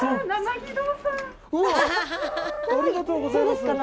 ありがとうございます。